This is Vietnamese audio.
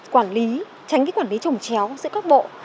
quản lý tránh cái quản lý trồng chéo giữa các bộ